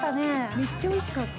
◆めっちゃおいしかった。